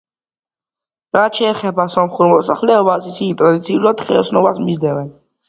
რაც შეეხება სომხურ მოსახლეობას, ისინი, ტრადიციულად, ხელოსნობას მისდევდნენ.